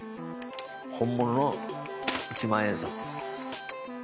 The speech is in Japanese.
本物の一万円札です。